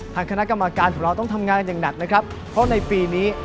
ทางคณะกรรมการของเราต้องทำงานอย่างหนักนะครับเพราะในปีนี้